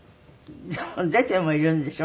でも出てもいるんでしょ？